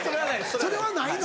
それはないの？